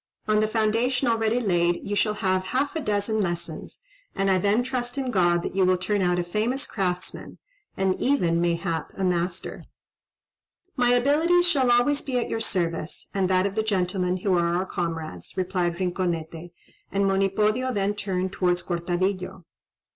On the foundation already laid you shall have half a dozen lessons; and I then trust in God that you will turn out a famous craftsman, and even, mayhap, a master." "My abilities shall always be at your service, and that of the gentlemen who are our comrades," replied Rinconete; and Monipodio then turned towards Cortadillo.